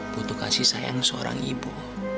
butuh kasih sayang seorang ibu